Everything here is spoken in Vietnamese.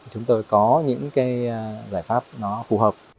chúng tôi có những giải pháp phù hợp